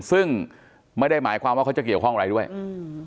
ซึ่งไม่ได้หมายความว่าเขาจะเกี่ยวข้องอะไรด้วยอืม